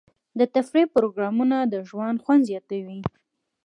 د تفریح پروګرامونه د ژوند خوند زیاتوي.